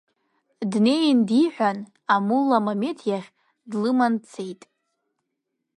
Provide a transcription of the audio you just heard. Днеин диҳәан, амулла Мамеҭ иахь длыман дцеит.